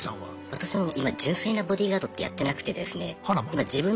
私も今純粋なボディーガードってやってなくてですね。